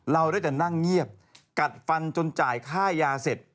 เราได้แต่นั่งเงียบกัดฟันจนจ่ายค่ายาเสร็จ